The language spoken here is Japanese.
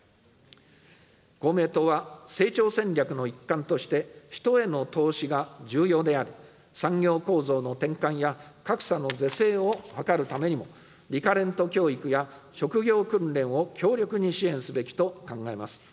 公明党は、成長戦略の一環として、人への投資が重要であり、産業構造の転換や格差の是正を図るためにも、リカレント教育や職業訓練を強力に支援すべきと考えます。